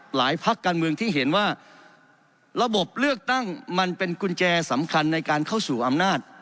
พักการเมืองที่เห็นว่าระบบเลือกตั้งมันเป็นกุญแจสำคัญในการเข้าสู่อำนาจ